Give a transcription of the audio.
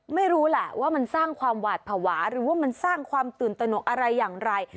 ไม่รู้แหละว่ามันสร้างความหวาดภาวะหรือว่ามันสร้างความตื่นตนกอะไรอย่างไร